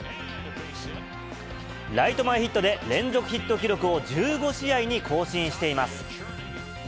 ライト前ヒットで連続ヒット記録を１５試合に更新しています。